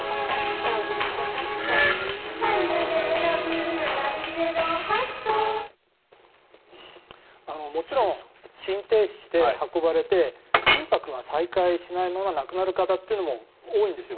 水素を投与することで生存率を高めもちろん心停止して運ばれて心拍が再開しないまま亡くなる人というのも多いんですよ。